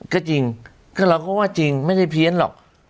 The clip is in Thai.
ก็จริงก็เราก็ว่าจริงไม่ได้เพี้ยนหรอก